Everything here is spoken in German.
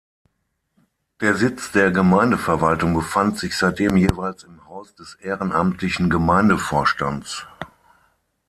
Der Sitz der Gemeindeverwaltung befand sich seitdem jeweils im Haus des ehrenamtlichen Gemeindevorstands.